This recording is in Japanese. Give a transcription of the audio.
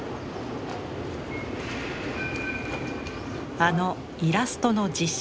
あのイラストの実写化計画。